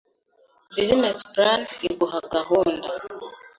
Business plan iguha gahunda,